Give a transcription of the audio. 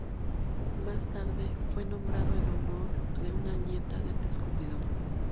Más tarde fue nombrado en honor de una nieta del descubridor.